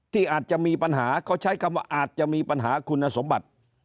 ที่อาจจะมีปัญหาเขาใช้คำว่าอาจจะมีปัญหาคุณสมบัติ